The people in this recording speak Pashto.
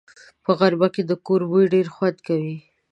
په غرمه کې د کور بوی ډېر خوند کوي